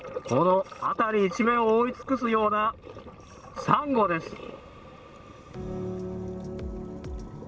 この辺り一面を覆い尽くすようなサンゴです。